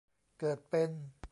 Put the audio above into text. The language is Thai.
เกิดเป็น